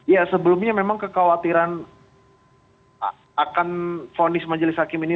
ya sebelumnya memang kekhawatiran akan fonis majelis hakim ini